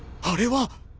あれは。